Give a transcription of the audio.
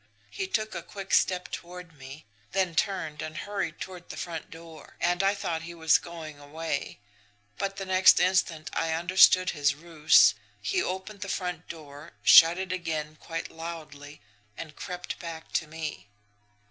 He took a quick step toward me, then turned and hurried toward the front door, and I thought he was going away but the next instant I understood his ruse. He opened the front door, shut it again quite loudly, and crept back to me.